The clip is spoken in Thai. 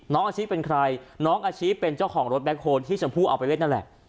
น้องอาชิเป็นใครน้องอาชิเป็นเจ้าของรถแบ็คโฮลที่ชมพู่เอาไปเล่นนั่นแหละ